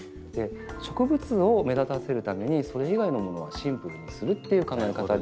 植物を目立たせるためにそれ以外のものはシンプルにするっていう考え方で選んでいるんですね。